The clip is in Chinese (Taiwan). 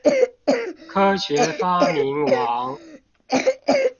科學發明王